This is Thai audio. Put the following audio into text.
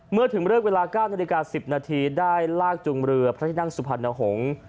เมื่อถึงเลิกเวลา๙นาฬิกา๑๐นาทีได้ลากจุงเรือพระที่นั่งสุพรรณหงษ์